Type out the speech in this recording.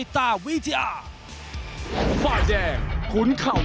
นักมวยจอมคำหวังเว่เลยนะครับ